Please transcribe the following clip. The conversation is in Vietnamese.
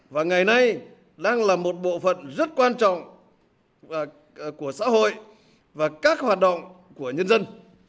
và ngày nay đang là một bộ phận rất quan trọng của xã hội và các hoạt động của nhân dân